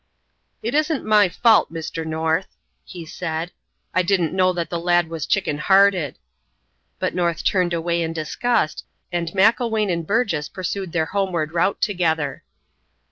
"It isn't my fault, Mr. North," he said. "I didn't know that the lad was chicken hearted." But North turned away in disgust, and Macklewain and Burgess pursued their homeward route together.